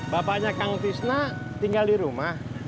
bapaknya kang tisna tinggal di rumah